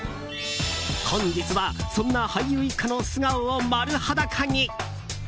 本日はそんな俳優一家の素顔を丸裸に。